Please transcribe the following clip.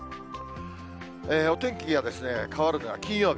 お天気が変わるのが金曜日。